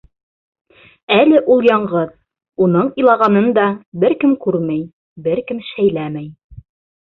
Әле ул яңғыҙ, уның илағанын да бер кем күрмәй, бер кем шәйләмәй.